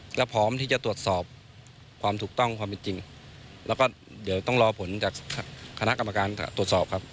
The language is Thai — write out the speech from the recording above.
แล้วพร้อมที่จะตรวจสอบความถูกต้องความเป็นจริงแล้วก็เดี๋ยวต้องรอผลจากคณะกรรมการตรวจสอบครับ